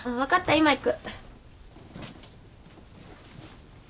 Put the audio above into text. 今行く。